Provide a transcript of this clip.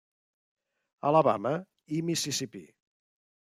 Alabama i Mississipí.